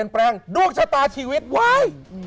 ดวงชะตาชีวิตไว้